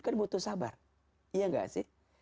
kan butuh sabar iya enggak sih